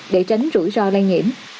để tránh rủi ro lây nhiễm